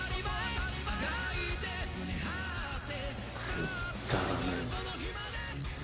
くっだらねえ。